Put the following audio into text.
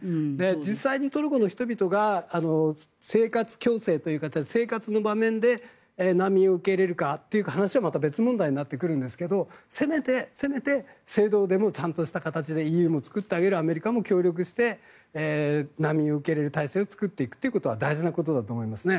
実際にトルコの人々が生活共生という形で生活の場面で難民を受け入れるかというと話はまた別問題になってくるんですがせめて制度でもちゃんとした形でＥＵも作ってあげるアメリカも協力して難民を受け入れる体制を作っていくことは大事なことだと思います。